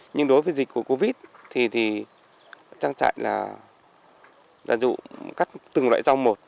nhưng đối với dịch của covid một mươi chín thì trang trại là dùng các từng loại rau một